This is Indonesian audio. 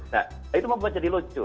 nah itu membuat jadi lucu